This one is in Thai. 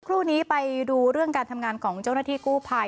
ครู่นี้ไปดูเรื่องการทำงานของเจ้าหน้าที่กู้ภัย